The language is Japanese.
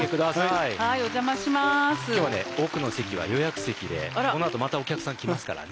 奥の席は予約席でこのあとまたお客さん来ますからね。